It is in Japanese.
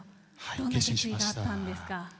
どんな決意があったんですか？